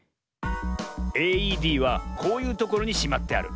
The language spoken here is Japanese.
ＡＥＤはこういうところにしまってある。